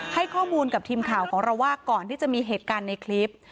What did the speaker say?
ให้ข้อมูลกับทีมข่าวของเราว่าก่อนที่จะมีเหตุการณ์ในคลิป